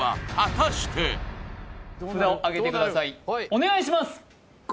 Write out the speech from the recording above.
お願いします